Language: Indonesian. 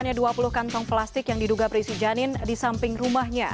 hanya dua puluh kantong plastik yang diduga berisi janin di samping rumahnya